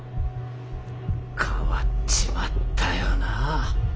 変わっちまったよなあ。